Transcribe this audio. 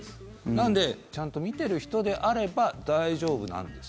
なのでちゃんと見てる人であれば大丈夫なんです。